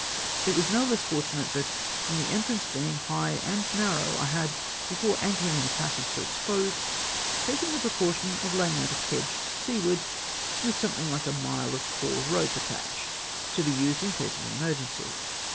It was no less fortunate that, from the entrance being high and narrow, I had, before anchoring in a passage so exposed, taken the precaution of laying out a kedge to seaward, with something like a mile of coir rope attached, to be used in case of emergency.